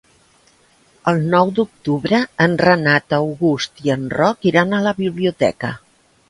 El nou d'octubre en Renat August i en Roc iran a la biblioteca.